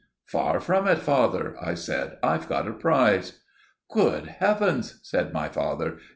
"Far from it, father," I said. "I've got a prize." "Good Heavens!" said my father.